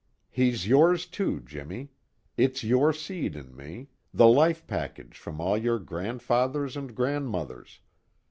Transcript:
"He's yours too, Jimmy. It's your seed in me, the life package from all your grandfathers and grandmothers.